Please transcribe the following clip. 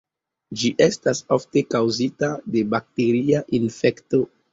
Ĝi estas ofte kaŭzita de bakteria infekto.